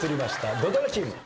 土ドラチーム。